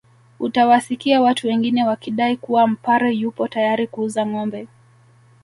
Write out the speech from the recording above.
Utawasikia watu wengine wakidai kuwa Mpare yupo tayari kuuza ngombe